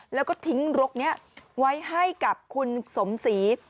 แล้วก็ทิ้งรกนี้ไว้ให้กับคุณสมศรี